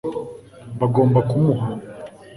bagomba kumuha